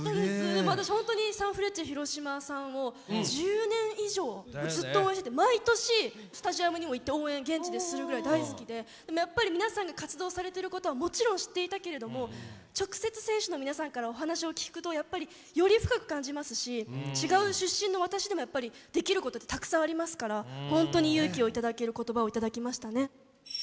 でも私ほんとにサンフレッチェ広島さんを１０年以上もうずっと応援してて毎年スタジアムにも行って応援現地でするぐらい大好きででもやっぱり皆さんが活動されてることはもちろん知っていたけれども直接選手の皆さんからお話を聞くとやっぱりより深く感じますし違う出身の私でもやっぱりできることってたくさんありますからほんとに勇気を頂ける言葉を頂きましたね。